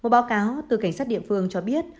báo cáo từ cảnh sát địa phương cho biết